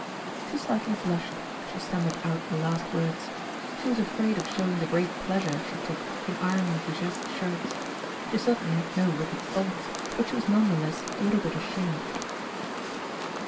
She slightly blushed as she stammered out the last words. She was afraid of showing the great pleasure she took in ironing Goujet's shirts. She certainly had no wicked thoughts, but she was none the less a little bit ashamed.